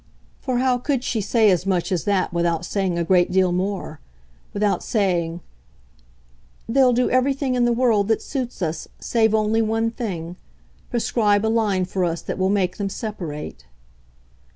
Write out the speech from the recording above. For how could she say as much as that without saying a great deal more? without saying "They'll do everything in the world that suits us, save only one thing prescribe a line for us that will make them separate."